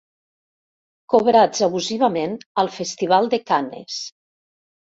Cobrats abusivament al festival de Cannes.